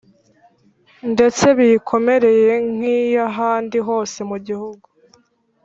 ndetse biyikomereye nk' iy' ahandi hose mu gihugu.